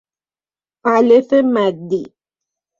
الف مدی